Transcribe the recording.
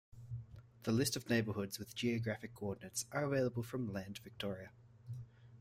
The list of neighbourhoods, with geographic coordinates, are available from Land Victoria.